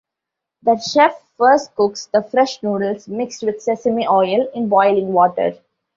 The chef first cooks the fresh noodles mixed with sesame oil in boiling water.